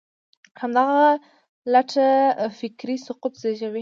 همدغه لټه فکري سقوط زېږوي.